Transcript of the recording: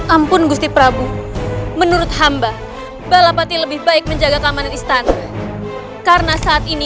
ampun gusti prabu menurut hamba balapati lebih baik menjaga keamanan istana karena saat ini